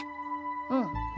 うん。